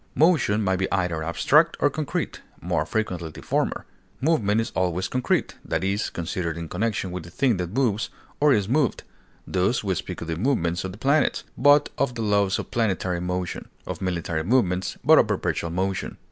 Motion may be either abstract or concrete, more frequently the former; movement is always concrete, that is, considered in connection with the thing that moves or is moved; thus, we speak of the movements of the planets, but of the laws of planetary motion; of military movements, but of perpetual motion.